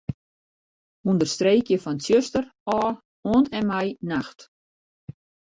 Understreekje fan 'tsjuster' ôf oant en mei 'nacht'.